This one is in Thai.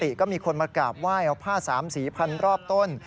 จะมีคนมากราบว่ายผ้าสามศีรภัณฑ์รอบต้น